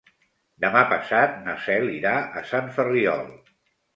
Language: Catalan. Demà passat na Cel irà a Sant Ferriol.